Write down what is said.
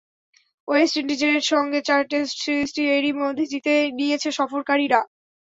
West ইন্ডিজের সঙ্গে চার টেস্ট সিরিজটি এরই মধ্যে জিতে নিয়েছে সফরকারীরা।